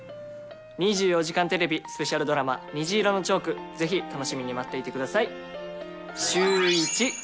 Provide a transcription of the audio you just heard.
２４時間テレビスペシャルドラマ、虹色のチョーク、ぜひ楽しみに待っていてください。